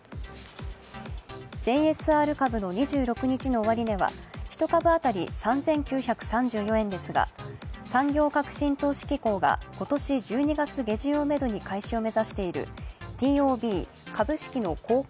ＪＳＲ株の２６日の終値は１株当たり、３９３４円ですが、産業革新投資機構が今年１２月下旬をめどに開始を目指しているＴＯＢ＝株式の公開